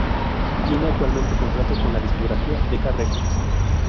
Tiene actualmente contrato con la discográfica Decca Records.